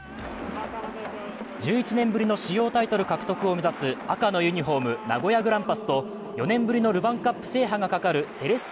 １１年ぶりの主要タイトル獲得を目指す赤のユニフォーム・名古屋グランパスと、４年ぶりのルヴァンカップ制覇がかかるセレッソ